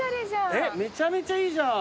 えっめちゃめちゃいいじゃん。